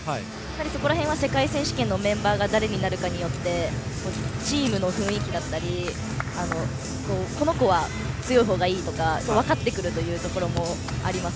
そこら辺は世界選手権のメンバーが誰になるかによってチームの雰囲気やこの子は、強い方がいいとか分かってくるというところもあります。